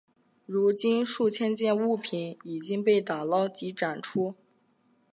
如今数千件物品已经被打捞及展出。